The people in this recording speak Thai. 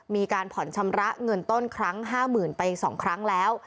มีการผ่อนชำระเงินต้นครั้ง๕๐๐๐ไป๒ครั้งแล้ว